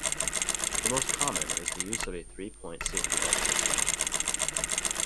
The most common is the use of a three-point safety belt system.